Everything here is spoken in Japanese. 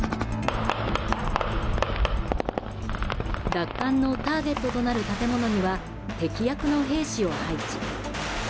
奪還のターゲットとなる建物には敵役の兵士を配置。